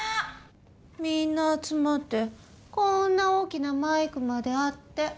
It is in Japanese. みんな集まってこんな大きなマイクまであって。